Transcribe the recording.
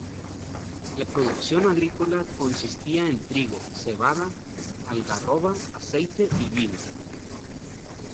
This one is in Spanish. La producción agrícola consistía en trigo, cebada, algarroba, aceite y vino.